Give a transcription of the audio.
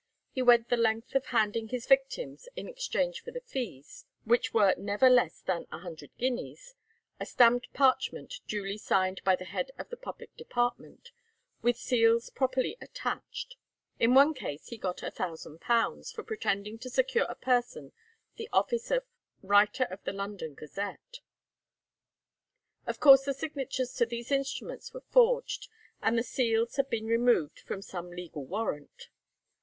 He went the length of handing his victims, in exchange for the fees, which were never less than a hundred guineas, a stamped parchment duly signed by the head of the public department, with seals properly attached. In one case he got £1000 for pretending to secure a person the office of "writer of the 'London Gazette.'" Of course the signatures to these instruments were forged, and the seals had been removed from some legal warrant.